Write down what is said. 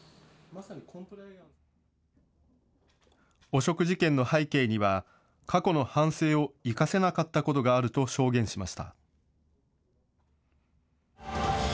汚職事件の背景には、過去の反省を生かせなかったことがあると証言しました。